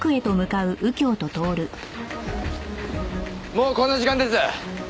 もうこんな時間です。